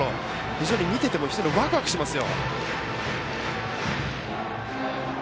非常に見ていてもワクワクします。